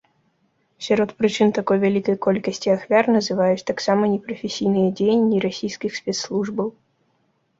Сярод прычын такой вялікай колькасці ахвяр называюць таксама непрафесійныя дзеянні расійскіх спецслужбаў.